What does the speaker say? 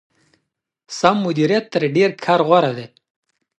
سم مديريت تر ډېر کار غوره دی.